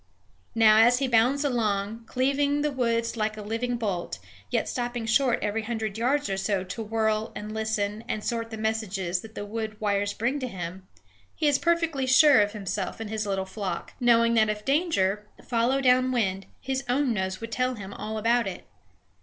Now as he bounds along, cleaving the woods like a living bolt, yet stopping short every hundred yards or so to whirl and listen and sort the messages that the wood wires bring to him, he is perfectly sure of himself and his little flock, knowing that if danger follow down wind, his own nose will tell him all about it.